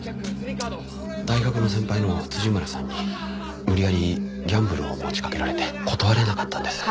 大学の先輩の村さんに無理やりギャンブルを持ちかけられて断れなかったんです。